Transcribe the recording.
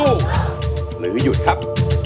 หรือหยุดครับ